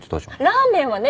ラーメンはね。